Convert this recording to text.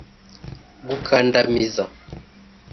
gukandamiza